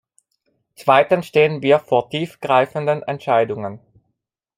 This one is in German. Zweitens stehen wir vor tief greifenden Entscheidungen.